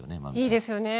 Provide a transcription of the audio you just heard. いいですよね。